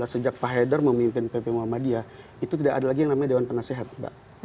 sejak pak haider memimpin pp muhammadiyah itu tidak ada lagi yang namanya dewan penasehat mbak